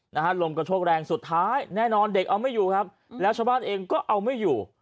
ลมกระโชกแรงสุดท้ายแน่นอนเด็กเอาไม่อยู่ครับแล้วชาวบ้านเองก็เอาไม่อยู่